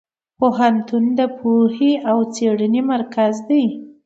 پوهنتون د پوهې او څېړنې مرکز دی.